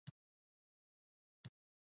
ملګری د زړه ټکور دی